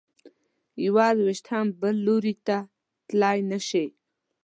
یو لویشت هم بل لوري ته تلی نه شې.